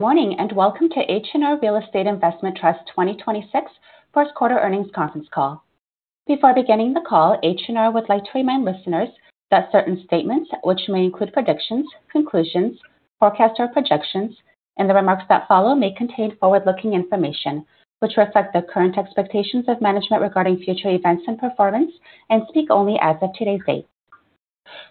Morning, and welcome to H&R Real Estate Investment Trust 2026 first quarter earnings conference call. Before beginning the call, H&R would like to remind listeners that certain statements, which may include predictions, conclusions, forecasts, or projections in the remarks that follow may contain forward-looking information, which reflect the current expectations of management regarding future events and performance and speak only as of today's date.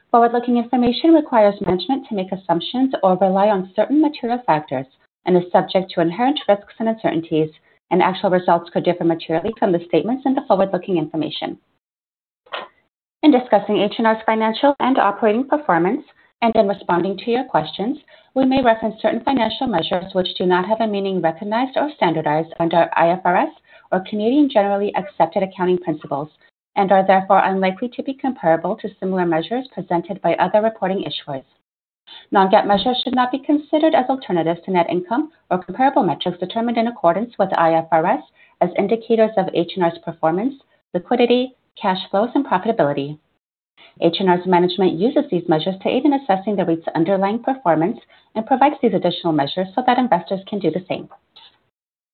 Forward-looking information requires management to make assumptions or rely on certain material factors and is subject to inherent risks and uncertainties, and actual results could differ materially from the statements in the forward-looking information. In discussing H&R's financial and operating performance, and in responding to your questions, we may reference certain financial measures which do not have a meaning recognized or standardized under IFRS or Canadian generally accepted accounting principles and are therefore unlikely to be comparable to similar measures presented by other reporting issuers. Non-GAAP measures should not be considered as alternatives to net income or comparable metrics determined in accordance with IFRS as indicators of H&R's performance, liquidity, cash flows, and profitability. H&R's management uses these measures to aid in assessing the REIT's underlying performance and provides these additional measures so that investors can do the same.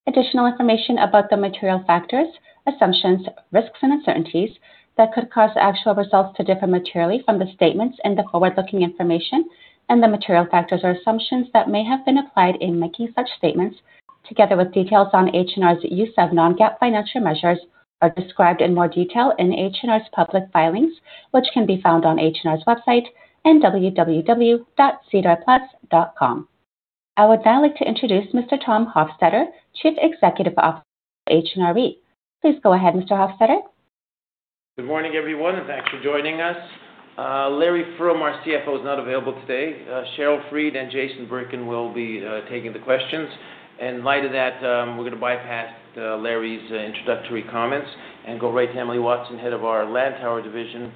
Additional information about the material factors, assumptions, risks, and uncertainties that could cause actual results to differ materially from the statements and the forward-looking information and the material factors or assumptions that may have been applied in making such statements, together with details on H&R's use of non-GAAP financial measures, are described in more detail in H&R's public filings, which can be found on H&R's website and www.sedarplus.com. I would now like to introduce Mr. Tom Hofstedter, Chief Executive Officer of H&R REIT. Please go ahead, Mr. Hofstedter. Good morning, everyone, and thanks for joining us. Larry Froom, our CFO, is not available today. Cheryl Fried and Jason Birken will be, taking the questions. In light of that, we're gonna bypass Larry's introductory comments and go right to Emily Watson, head of our Lantower division,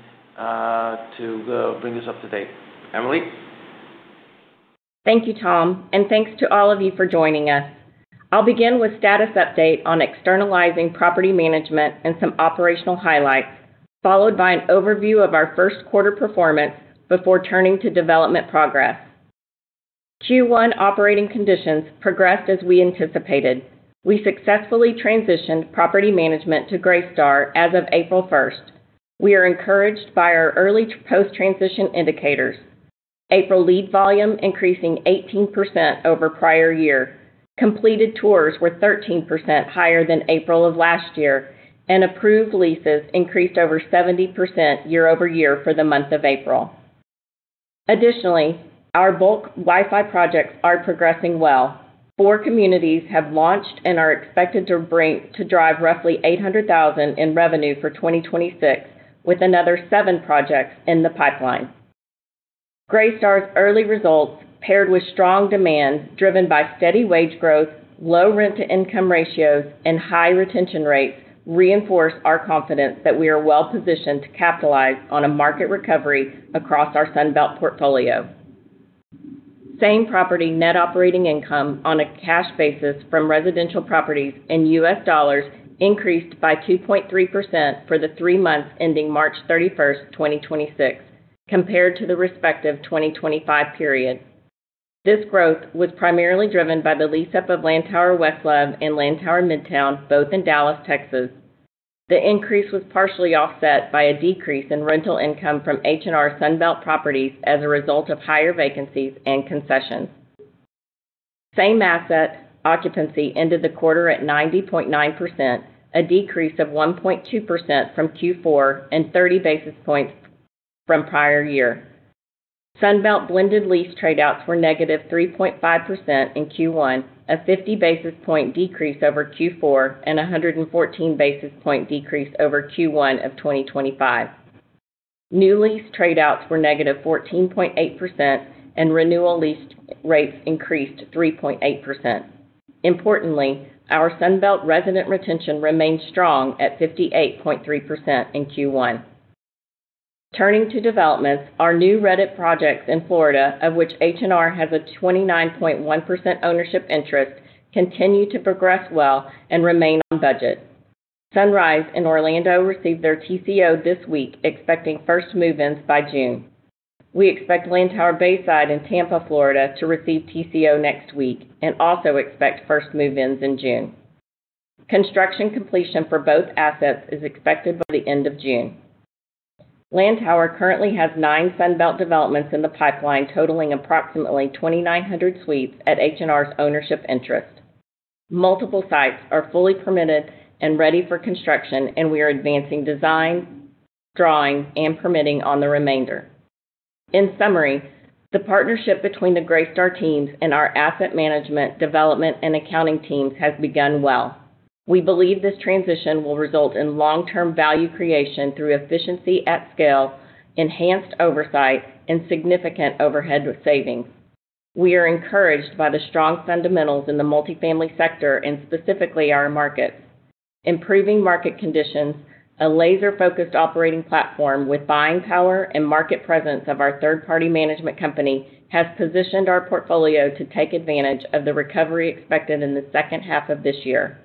to bring us up to date. Emily? Thank you, Tom, and thanks to all of you for joining us. I'll begin with status update on externalizing property management and some operational highlights, followed by an overview of our first quarter performance before turning to development progress. Q1 operating conditions progressed as we anticipated. We successfully transitioned property management to Greystar as of April first. We are encouraged by our early post-transition indicators. April lead volume increasing 18% over prior year. Completed tours were 13% higher than April of last year, and approved leases increased over 70% year-over-year for the month of April. Additionally, our bulk Wi-Fi projects are progressing well. Four communities have launched and are expected to drive roughly 800,000 in revenue for 2026, with another seven projects in the pipeline. Greystar's early results, paired with strong demand driven by steady wage growth, low rent-to-income ratios, and high retention rates, reinforce our confidence that we are well-positioned to capitalize on a market recovery across our Sunbelt portfolio. Same property net operating income on a cash basis from residential properties in U.S. dollars increased by 2.3% for the 3 months ending March 31st, 2026, compared to the respective 2025 period. This growth was primarily driven by the lease-up of Lantower West Love and Lantower Midtown, both in Dallas, Texas. The increase was partially offset by a decrease in rental income from H&R Sunbelt properties as a result of higher vacancies and concessions. Same asset occupancy ended the quarter at 90.9%, a decrease of 1.2% from Q4 and 30 basis points from prior year. Sunbelt blended lease trade-outs were negative 3.5% in Q1, a 50 basis point decrease over Q4, and a 114 basis point decrease over Q1 of 2025. New lease trade-outs were negative 14.8%, and renewal lease rates increased 3.8%. Importantly, our Sunbelt resident retention remains strong at 58.3% in Q1. Turning to developments, our new REIT projects in Florida, of which H&R has a 29.1% ownership interest, continue to progress well and remain on budget. Sunrise in Orlando received their TCO this week, expecting first move-ins by June. We expect Lantower Bayside in Tampa, Florida, to receive TCO next week and also expect first move-ins in June. Construction completion for both assets is expected by the end of June. Lantower currently has 9 Sunbelt developments in the pipeline, totaling approximately 2,900 suites at H&R's ownership interest. Multiple sites are fully permitted and ready for construction, we are advancing design, drawing, and permitting on the remainder. In summary, the partnership between the Greystar teams and our asset management, development, and accounting teams has begun well. We believe this transition will result in long-term value creation through efficiency at scale, enhanced oversight, and significant overhead savings. We are encouraged by the strong fundamentals in the multifamily sector and specifically our markets. Improving market conditions, a laser-focused operating platform with buying power and market presence of our third-party management company has positioned our portfolio to take advantage of the recovery expected in the second half of this year.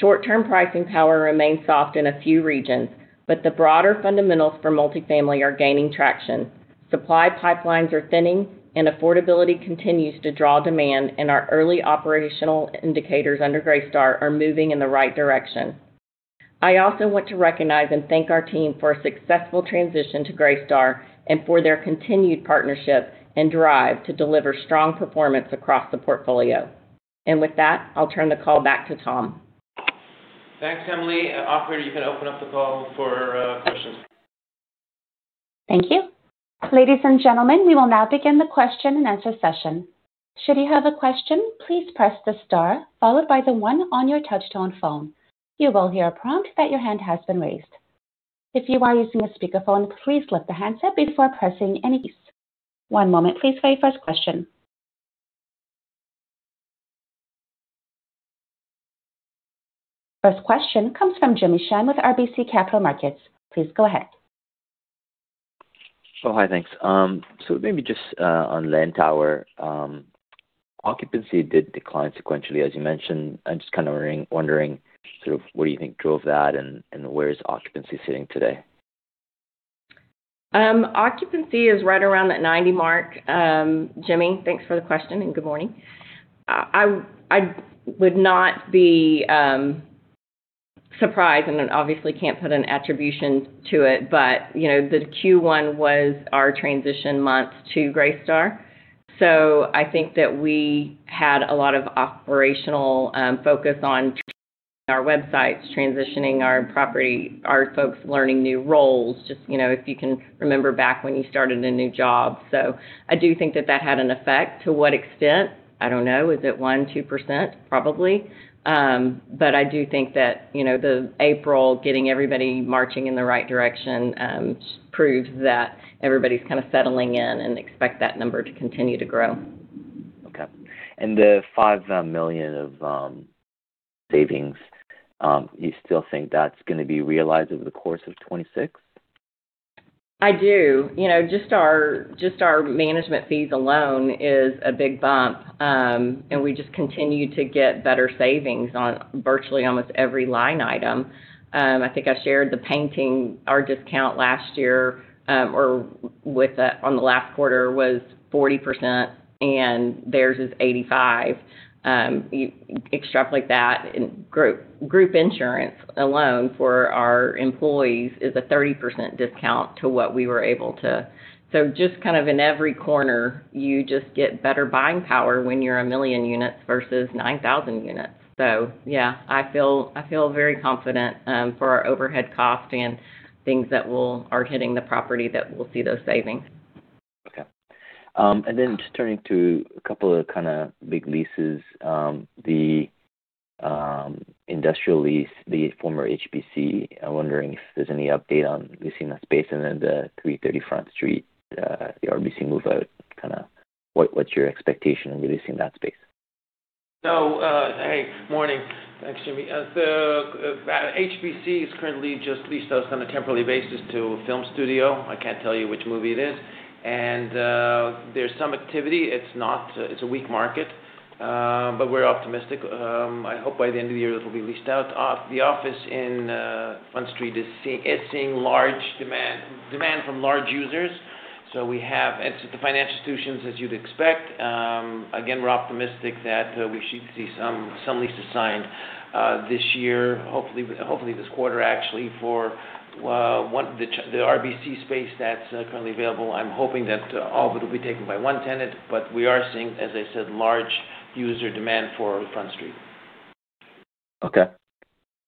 Short-term pricing power remains soft in a few regions, but the broader fundamentals for multifamily are gaining traction. Supply pipelines are thinning, affordability continues to draw demand, and our early operational indicators under Greystar are moving in the right direction. I also want to recognize and thank our team for a successful transition to Greystar and for their continued partnership and drive to deliver strong performance across the portfolio. With that, I'll turn the call back to Tom. Thanks, Emily. operator, you can open up the call for, questions. Thank you. Ladies and gentlemen, we will now begin the question-and-answer session. Should you have a question, please press the star followed by the one on your touch-tone phone. You will hear a prompt that your hand has been raised. If you are using a speakerphone, please lift the handset before pressing any keys. One moment, please, for your first question. First question comes from Jimmy Shan with RBC Capital Markets. Please go ahead. Oh, hi. Thanks. Maybe just on Lantower, occupancy did decline sequentially, as you mentioned. I'm just kind of wondering sort of what do you think drove that and where is occupancy sitting today? Occupancy is right around that 90 mark. Jimmy, thanks for the question, and good morning. I would not be surprised, and then obviously can't put an attribution to it, but, you know, the Q1 was our transition month to Greystar. I think that we had a lot of operational focus on transitioning our websites, transitioning our property, our folks learning new roles, just, you know, if you can remember back when you started a new job. I do think that that had an effect. To what extent? I don't know. Is it 1, 2%? Probably. But I do think that, you know, the April getting everybody marching in the right direction proves that everybody's kind of settling in and expect that number to continue to grow. Okay. The 5 million of savings, you still think that's gonna be realized over the course of 2026? I do. You know, just our management fees alone is a big bump, we just continue to get better savings on virtually almost every line item. I think I shared the painting, our discount last year, or on the last quarter was 40%, theirs is 85%. You extrapolate that, group insurance alone for our employees is a 30% discount to what we were able to. Just kind of in every corner, you just get better buying power when you're 1 million units versus 9,000 units. Yeah, I feel very confident for our overhead cost and things that will are hitting the property that will see those savings. Then just turning to a couple of kind of big leases, the industrial lease, the former HBC, I'm wondering if there's any update on leasing that space and then the 330 Front Street, the RBC move-out. What's your expectation on releasing that space? Hey. Morning. Thanks, Jimmy. The HBC is currently just leased us on a temporary basis to a film studio. I can't tell you which movie it is. There's some activity. It's a weak market, but we're optimistic. I hope by the end of the year it'll be leased out. The office in Front Street is seeing large demand from large users. It's the financial institutions, as you'd expect. Again, we're optimistic that we should see some leases signed this year, hopefully this quarter, actually, for the RBC space that's currently available. I'm hoping that all of it will be taken by one tenant. We are seeing, as I said, large user demand for Front Street. Okay.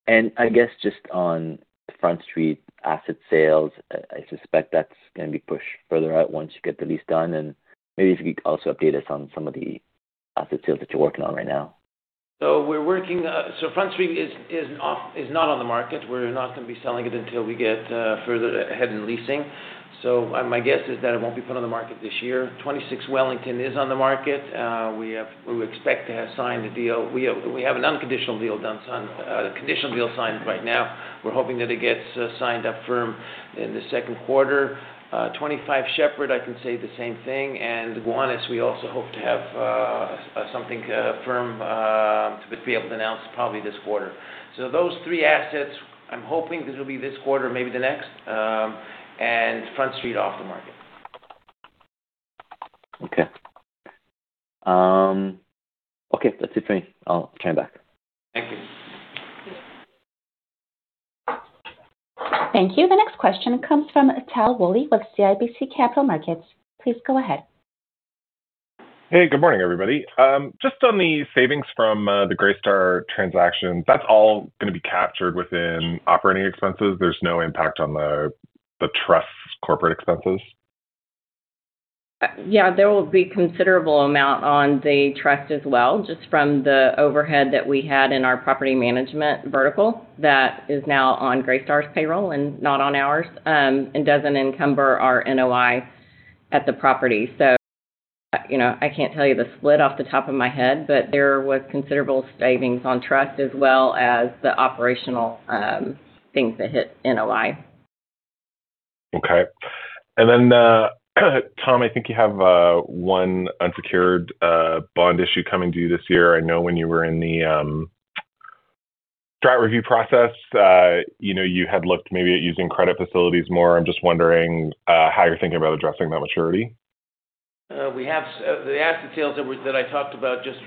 I guess just on Front Street asset sales, I suspect that's gonna be pushed further out once you get the lease done. Maybe if you could also update us on some of the asset sales that you're working on right now? We're working, Front Street is not on the market. We're not gonna be selling it until we get further ahead in leasing. My guess is that it won't be put on the market this year. 26 Wellington is on the market. We expect to have signed a deal. We have an unconditional deal done, conditional deal signed right now. We're hoping that it gets signed up firm in the second quarter. 25 Sheppard, I can say the same thing. Gowanus, we also hope to have something firm to be able to announce probably this quarter. Those three assets, I'm hoping this will be this quarter, maybe the next, and Front Street off the market. Okay. okay. That's it for me. I'll chime back. Thank you. Thank you. The next question comes from Tal Woolley with CIBC Capital Markets. Please go ahead. Hey. Good morning, everybody. Just on the savings from the Greystar transaction, that's all gonna be captured within operating expenses. There's no impact on the trust corporate expenses? yeah, there will be considerable amount on the trust as well, just from the overhead that we had in our property management vertical that is now on Greystar's payroll and not on ours, and doesn't encumber our NOI at the property. You know, I can't tell you the split off the top of my head, but there was considerable savings on trust as well as the operational things that hit NOI. Okay. Tom, I think you have 1 unsecured bond issue coming due this year. I know when you were in the draft review process, you know, you had looked maybe at using credit facilities more. I'm just wondering how you're thinking about addressing that maturity. We have the asset sales that I talked about just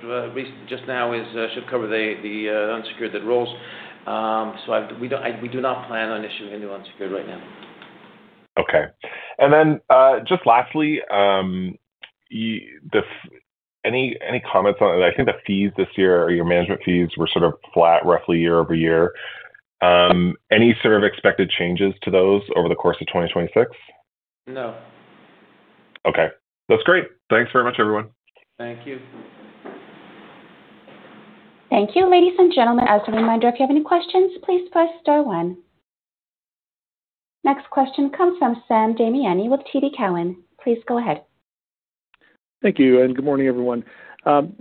now should cover the unsecured that rolls. We do not plan on issuing any unsecured right now. Okay. Just lastly, any comments on I think the fees this year or your management fees were sort of flat roughly year-over-year? Any sort of expected changes to those over the course of 2026? No. Okay. That's great. Thanks very much, everyone. Thank you. Thank you. Ladies and gentlemen, as a reminder, if you have any questions, please press star one. Next question comes from Sam Damiani with TD Cowen. Please go ahead. Thank you, and good morning, everyone.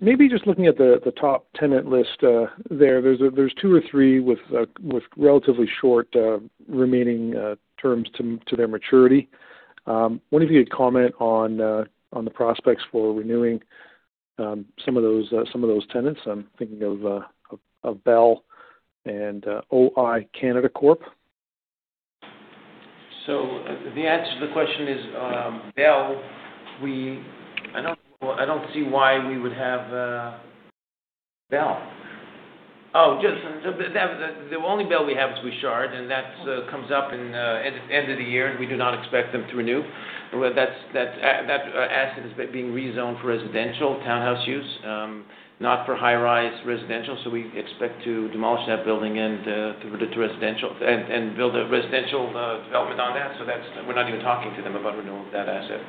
Maybe just looking at the top tenant list, there's two or three with relatively short remaining terms to their maturity. Wonder if you could comment on the prospects for renewing some of those tenants. I'm thinking of Bell and O-I Canada Corp.. The answer to the question is, Bell, we I don't I don't see why we would have Bell. Just the only Bell we have is Richelieu, and that comes up in end of the year, and we do not expect them to renew. That's that asset is being rezoned for residential townhouse use, not for high-rise residential, so we expect to demolish that building and to reduce residential and build a residential development on that. That's We're not even talking to them about renewal of that asset.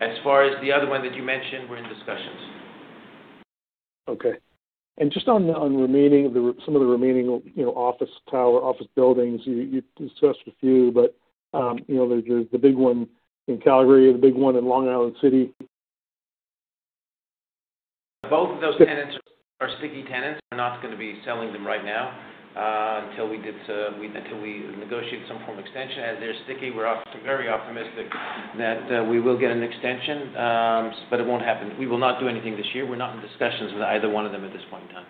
As far as the other one that you mentioned, we're in discussions. Okay. Just on the, on remaining some of the remaining, you know, office tower, office buildings, you discussed a few, but, you know, there's the big one in Calgary, the big one in Long Island City. Both of those tenants are sticky tenants. We're not gonna be selling them right now until we negotiate some form of extension. As they're sticky, we're very optimistic that we will get an extension, but it won't happen. We will not do anything this year. We're not in discussions with either one of them at this point in time.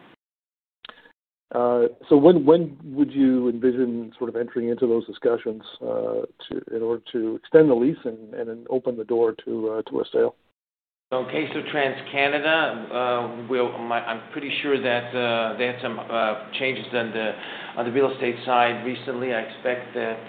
When would you envision sort of entering into those discussions to in order to extend the lease and then open the door to a sale? In case of TransCanada, I'm pretty sure that they had some changes on the real estate side recently. I expect that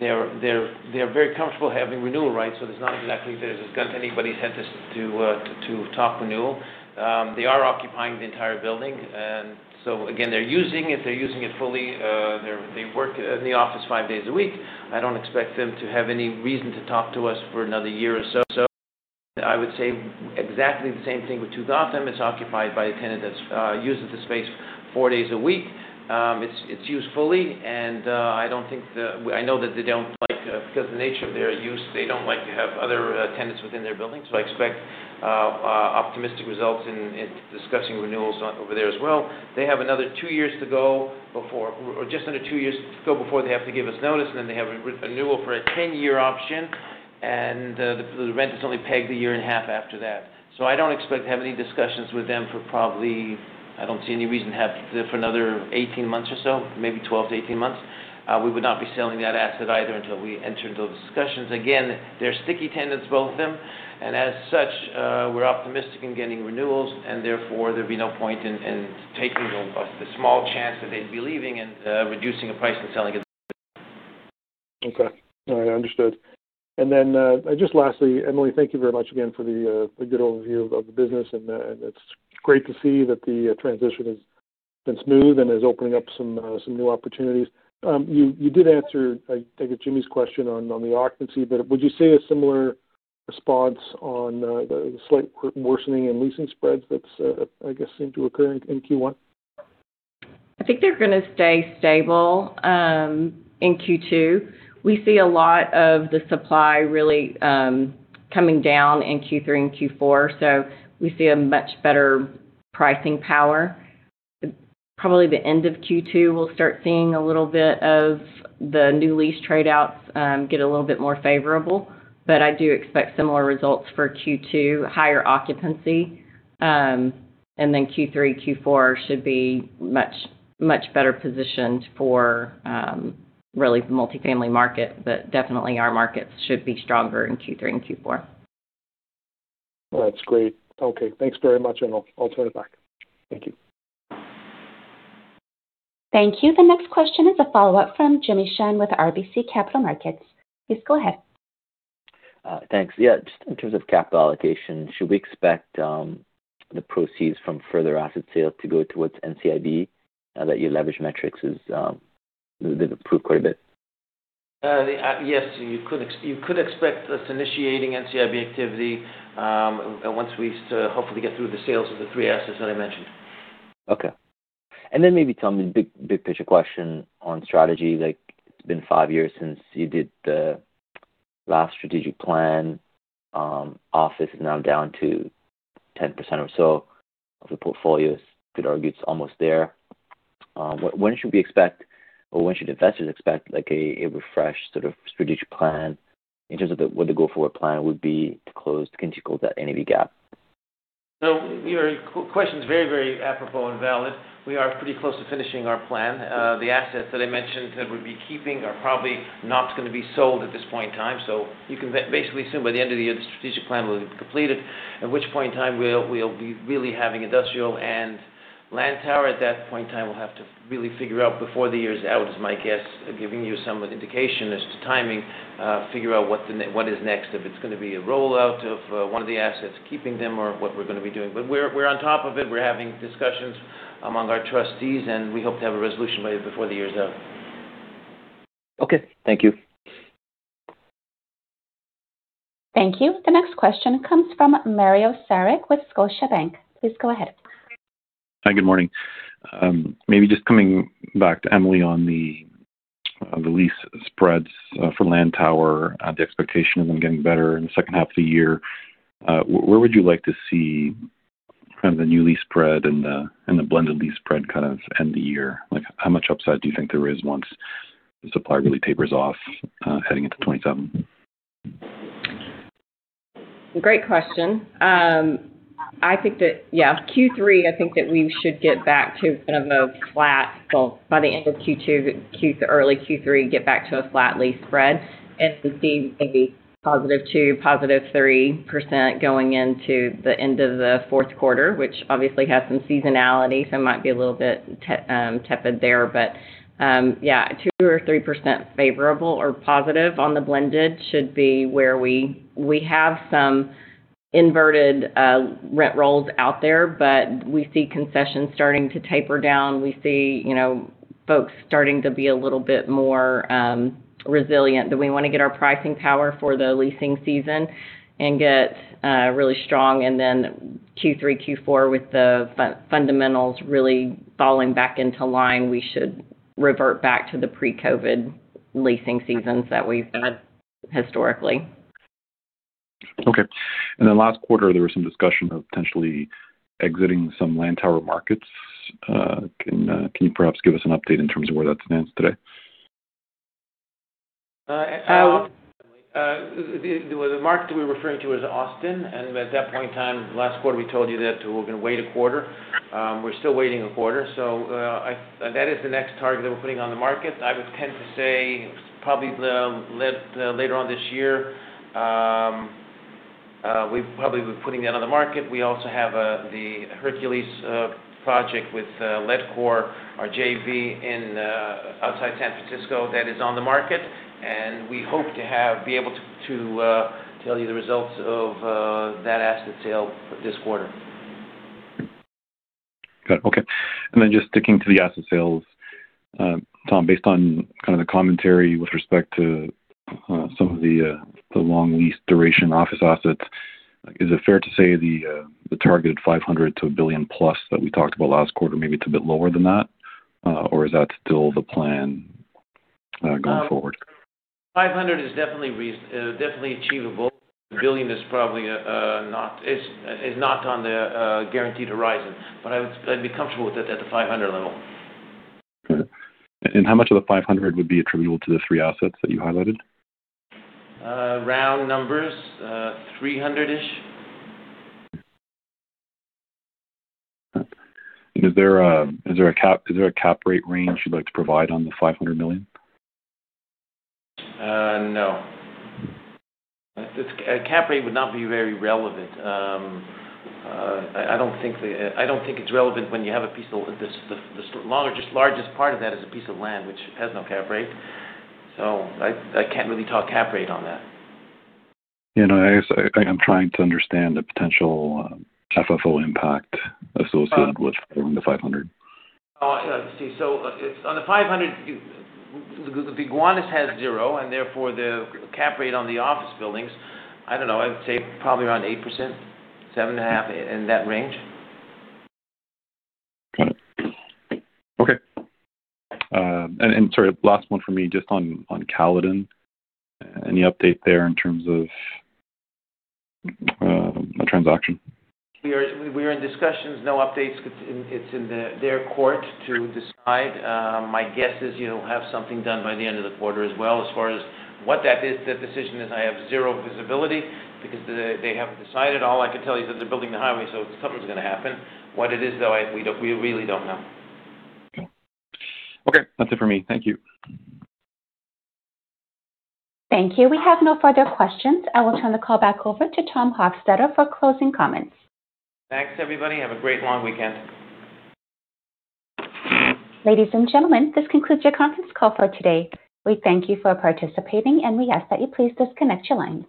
they're very comfortable having renewal rights, so there's not exactly there's a gun to anybody's head to talk renewal. They are occupying the entire building. Again, they're using it. They're using it fully. They work in the office five days a week. I don't expect them to have any reason to talk to us for another year or so. I would say exactly the same thing with Tuthill. It's occupied by a tenant that uses the space four days a week. It's used fully, and I know that they don't like, because the nature of their use, they don't like to have other tenants within their building. I expect optimistic results in discussing renewals over there as well. They have another 2 years to go before or just under 2 years to go before they have to give us notice, and then they have a renewal for a 10-year option. The rent is only pegged 1.5 years after that. I don't expect to have any discussions with them for probably I don't see any reason to have for another 18 months or so, maybe 12-18 months. We would not be selling that asset either until we enter into those discussions. Again, they're sticky tenants, both of them, and as such, we're optimistic in getting renewals, and therefore, there'd be no point in taking the small chance that they'd be leaving and reducing the price and selling it. Okay. All right. Understood. Just lastly, Emily, thank you very much again for the good overview of the business and it's great to see that the transition has been smooth and is opening up some new opportunities. You, you did answer, I think, Jimmy's question on the occupancy, but would you see a similar response on the slight worsening in leasing spreads that's, I guess, seem to occur in Q1? I think they're gonna stay stable in Q2. We see a lot of the supply really coming down in Q3 and Q4, so we see a much better pricing power. Probably the end of Q2, we'll start seeing a little bit of the new lease trade-outs get a little bit more favorable. I do expect similar results for Q2, higher occupancy. Q3, Q4 should be much, much better positioned for really the multifamily market, but definitely our markets should be stronger in Q3 and Q4. That's great. Okay. Thanks very much, and I'll turn it back. Thank you. Thank you. The next question is a follow-up from Jimmy Shan with RBC Capital Markets. Please go ahead. Thanks. Yeah, just in terms of capital allocation, should we expect the proceeds from further asset sales to go towards NCIB now that your leverage metrics is, they've improved quite a bit? Yes, you could expect us initiating NCIB activity, once we hopefully get through the sales of the three assets that I mentioned. Okay. Then maybe tell me big, big picture question on strategy. Like, it's been 5 years since you did the last strategic plan, office is now down to 10% or so of the portfolios. Could argue it's almost there. When should we expect or when should investors expect like a refresh sort of strategic plan in terms of the what the go-forward plan would be to close, continue to close that NAV gap? Your question is very, very apropos and valid. We are pretty close to finishing our plan. The assets that I mentioned that we'd be keeping are probably not gonna be sold at this point in time. You can basically assume by the end of the year, the strategic plan will be completed, at which point in time we'll be really having industrial and Lantower at that point in time will have to really figure out before the year is out, is my guess, giving you some indication as to timing, figure out what is next, if it's gonna be a rollout of one of the assets, keeping them or what we're gonna be doing. We're on top of it. We're having discussions among our trustees, and we hope to have a resolution by before the year is out. Okay. Thank you. Thank you. The next question comes from Mario Saric with Scotiabank. Please go ahead. Hi. Good morning. Maybe just coming back to Emily on the, on the lease spreads for Lantower, the expectation of them getting better in the second half of the year. Where would you like to see kind of the new lease spread and the, and the blended lease spread kind of end the year? Like, how much upside do you think there is once the supply really tapers off, heading into 2027? Great question. I think that Q3, I think that we should get back to kind of a flat, by the end of Q2, early Q3, get back to a flat lease spread and see maybe positive 2, positive 3% going into the end of the 4th quarter, which obviously has some seasonality, so it might be a little bit tepid there. 2 or 3% favorable or positive on the blended should be where we have some inverted rent rolls out there, but we see concessions starting to taper down. We see, you know, folks starting to be a little bit more resilient, that we want to get our pricing power for the leasing season and get really strong. Q3, Q4, with the fundamentals really falling back into line, we should revert back to the pre-COVID leasing seasons that we've had historically. Okay. Then last quarter, there was some discussion of potentially exiting some Lantower markets. Can you perhaps give us an update in terms of where that stands today? The market that we were referring to was Austin, and at that point in time, last quarter, we told you that we're gonna wait a quarter. We're still waiting a quarter. That is the next target that we're putting on the market. I would tend to say probably later on this year, we probably will be putting that on the market. We also have the Hercules project with Ledcor, our JV in outside San Francisco that is on the market, and we hope to be able to tell you the results of that asset sale this quarter. Got it. Okay. Then just sticking to the asset sales, Tom, based on kind of the commentary with respect to some of the long lease duration office assets, is it fair to say the targeted 500 million-1 billion+ that we talked about last quarter, maybe it's a bit lower than that? Is that still the plan going forward? 500 is definitely achievable. 1 billion is probably not, is not on the guaranteed horizon, but I'd be comfortable with it at the 500 level. Got it. How much of the 500 would be attributable to the 3 assets that you highlighted? Round numbers, 300-ish. Is there a cap rate range you'd like to provide on the 500 million? No. A cap rate would not be very relevant. I don't think it's relevant when you have a piece of this, the largest part of that is a piece of land which has no cap rate. I can't really talk cap rate on that. You know, I am trying to understand the potential FFO impact associated with the 500. Oh, I see. On the 500, the Gowanus has 0, therefore, the cap rate on the office buildings, I don't know, I would say probably around 8%, 7.5%, in that range. Got it. Okay. Sorry, last one for me, just on Caledon. Any update there in terms of a transaction? We're in discussions. No updates. It's in their court to decide. My guess is you'll have something done by the end of the quarter as well. As far as what that is, the decision is I have zero visibility because they haven't decided. All I can tell you is that they're building the highway, so something's gonna happen. What it is, though, we really don't know. Okay. That's it for me. Thank you. Thank you. We have no further questions. I will turn the call back over to Tom Hofstedter for closing comments. Thanks, everybody. Have a great long weekend. Ladies and gentlemen, this concludes your conference call for today. We thank you for participating, and we ask that you please disconnect your lines.